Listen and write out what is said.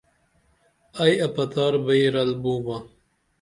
ائی اپتار بئی رل بومہ